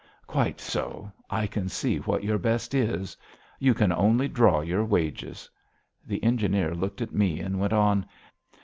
"Quite so. I can see what your best is. You can only draw your wages." The engineer looked at me and went on.